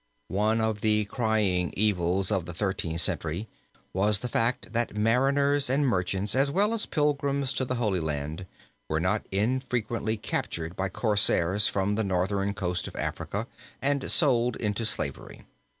One of the crying evils of the Thirteenth Century was the fact that mariners and merchants, as well as pilgrims to the Holy Land, were not infrequently captured by corsairs from the northern coast of Africa, and sold into slavery.